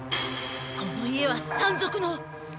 この家は山賊の。